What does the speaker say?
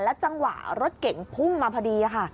แล้วจังหวะรถเก๋งพุ่งมาพอดี